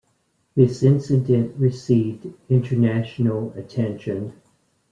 This incident received international attention.